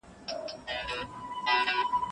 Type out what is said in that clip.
په دغه ځمکه دې اسمان راشي